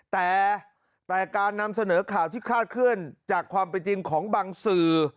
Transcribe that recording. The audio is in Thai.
แต่การนำเสนอข่าวที่คาดเคลื่อนจากความเป็นจริงของบางสื่อ